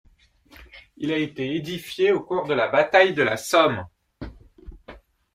Il a été édifié au cours de la bataille de la Somme.